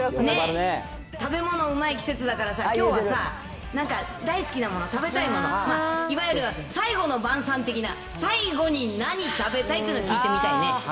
食べ物うまい季節だからさ、きょうはさ、大好きなもの、食べたいもの、いわゆる最後の晩さん的な、最後に何食べたいっていうの聞いてみたいね。